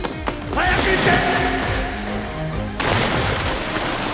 早く行け！